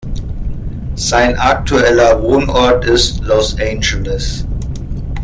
Sein aktueller Wohnort ist Los Angeles.